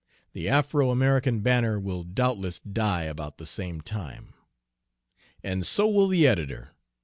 The Afro American Banner will doubtless die about the same time." "And so will the editor!"